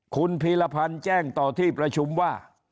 คุณพีรพันธ์แจ้งต่อที่ประชุมว่า